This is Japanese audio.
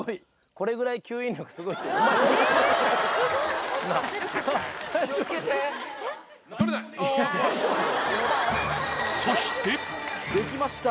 これぐらい吸引力すごいってできました